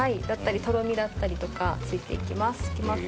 とろみだったりとかついて行きます。